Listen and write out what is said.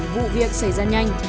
vụ việc xảy ra nhanh